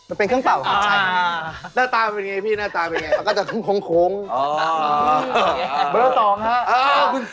อันเนี้ยมันคืออะไร